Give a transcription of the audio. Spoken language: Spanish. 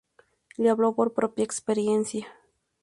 Le hablo por propia experiencia.